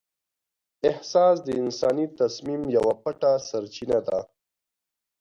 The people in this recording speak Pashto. احساس د انساني تصمیم یوه پټه سرچینه ده.